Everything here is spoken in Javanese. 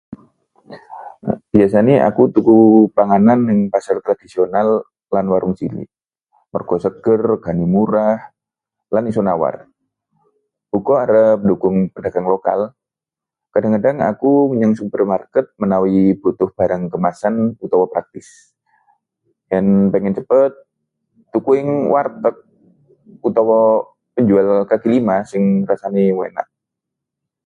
Biasane aku tuku panganan neng pasar tradisional lan warung cilik, merga seger, regane murah, lan isa nawar; uga arep ndhukung pedagang lokal. Kadhang-kadhang aku menyang supermarket menawi butuh barang kemasan utawa praktis. Yen pengin cepet, tuku ing warteg utawa penjual kaki lima sing rasane enak.